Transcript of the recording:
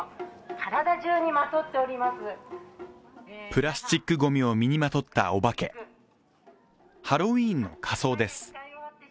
プラスチックごみを身にまとったおばけハロウィーンの仮装です。